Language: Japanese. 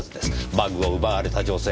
バッグを奪われた女性。